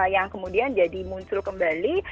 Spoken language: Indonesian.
yang kemudian jadi muncul kembali